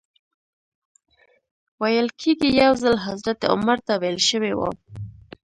ویل کېږي یو ځل حضرت عمر ته ویل شوي و.